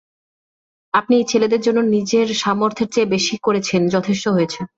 আপনি এই ছেলেদের জন্য নিজের সামর্থ্যের চেয়ে বেশি করেছেন, যথেষ্ট হয়েছে।